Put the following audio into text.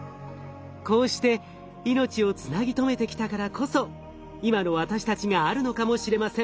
こうして命をつなぎ止めてきたからこそ今の私たちがあるのかもしれません。